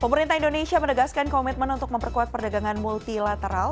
pemerintah indonesia menegaskan komitmen untuk memperkuat perdagangan multilateral